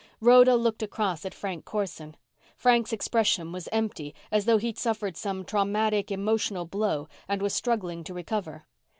Rhoda looked across at Frank Corson. Frank's expression was empty, as though he'd suffered some traumatic emotional blow and was struggling to recover.